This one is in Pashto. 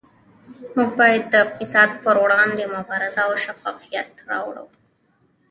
موږ باید د فساد پروړاندې مبارزه او شفافیت راوړو